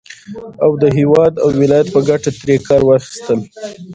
او د هېواد او ولايت په گټه ترې كار واخيستل